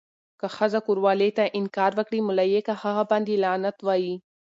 که ښځه کوروالې ته انکار وکړي، ملايکه هغه باندې لعنت وایی.